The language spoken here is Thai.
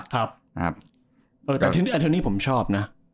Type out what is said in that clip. แต่อาร์โทนีผมชอบนะ